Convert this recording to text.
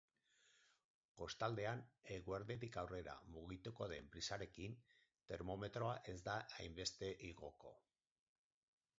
Kostaldean, eguerditik aurrera mugituko den brisarekin, termometroa ez da hainbeste igoko.